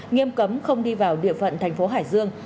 nghiêm cấm không đi vào địa phận thành phố hải dương